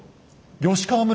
吉川村？